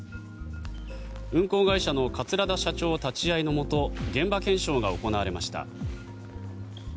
運航会社の桂田社長立ち会いのもと現場検証が行われました。